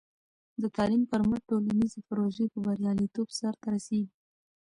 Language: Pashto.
د تعلیم پر مټ، ټولنیزې پروژې په بریالیتوب سرته رسېږي.